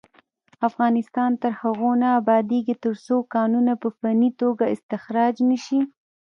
افغانستان تر هغو نه ابادیږي، ترڅو کانونه په فني توګه استخراج نشي.